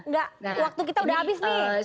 enggak waktu kita udah habis nih